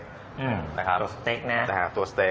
ตัวสเต็กนะครับตัวสเต็ก